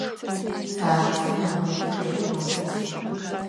Цацэ орэд къеӏо.